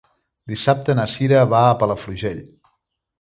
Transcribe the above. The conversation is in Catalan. Dissabte na Cira va a Palafrugell.